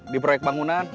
di proyek bangunan